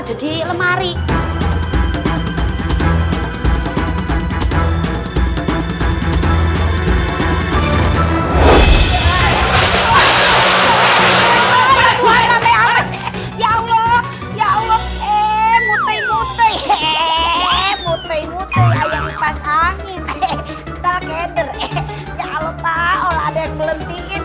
ya allah ya allah muter muter muter muter ayam kipas angin